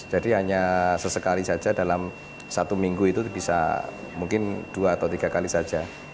jadi hanya sesekali saja dalam satu minggu itu bisa mungkin dua atau tiga kali saja